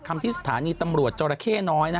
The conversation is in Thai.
ที่สถานีตำรวจจราเข้น้อย